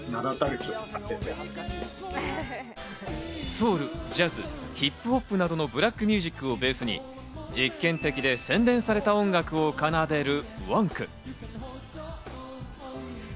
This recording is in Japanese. ソウル、ジャズ、ヒップホップなどのブラックミュージックをベースに、実験的で洗練された音楽を奏でるＷＯＮＫ。